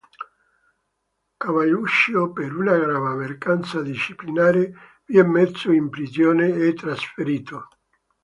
Cavalluccio, per una grave mancanza disciplinare, vien messo in prigione e trasferito.